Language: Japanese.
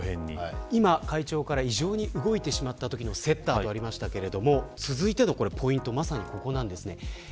今、会長から異常に動いてしまったセッターとありましたが続いてのポイントはまさに、ここなんです。